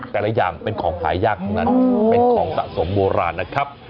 แต่ละอย่างเป็นของหายากทั้งนั้นเป็นของสะสมโบราณนะครับ